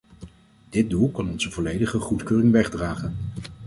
Dit doel kan onze volledige goedkeuring wegdragen.